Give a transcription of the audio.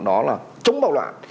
đó là chống bạo loạn